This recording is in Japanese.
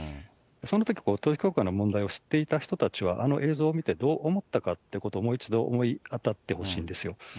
そのとき、統一教会の問題を知っていた人たちは、あの映像を見てどう思ったかということを、もう一度、思い当たってほしいんですよ。